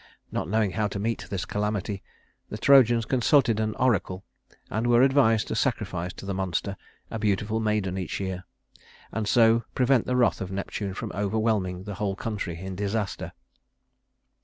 Not knowing how to meet this calamity, the Trojans consulted an oracle, and were advised to sacrifice to the monster a beautiful maiden each year; and so prevent the wrath of Neptune from overwhelming the whole country in disaster.